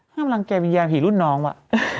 ห้ามลังเกมยามผีรุ่นน้องวะ